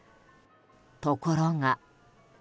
ところが。